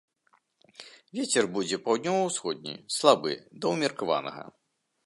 Вецер будзе паўднёва-ўсходні, слабы да ўмеркаванага.